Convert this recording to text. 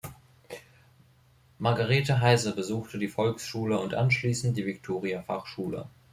Margarete Heise besuchte die Volksschule und anschließend die Viktoria-Fachschule.